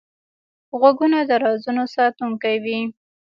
غوږونه د رازونو ساتونکی وي